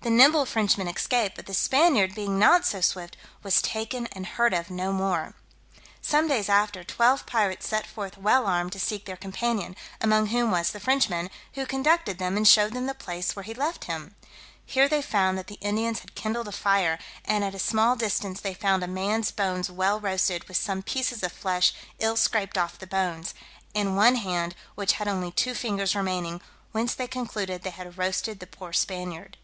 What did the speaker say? The nimble Frenchman escaped; but the Spaniard being not so swift, was taken and heard of no more. Some days after, twelve pirates set forth well armed to seek their companion, among whom was the Frenchman, who conducted them, and showed them the place where he left him; here they found that the Indians had kindled a fire, and at a small distance they found a man's bones well roasted, with some pieces of flesh ill scraped off the bones, and one hand, which had only two fingers remaining, whence they concluded they had roasted the poor Spaniard.